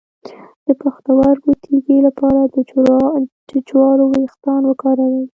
د پښتورګو تیږې لپاره د جوارو ویښتان وکاروئ